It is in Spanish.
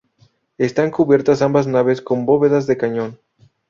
Están cubiertas ambas naves con bóvedas de cañón.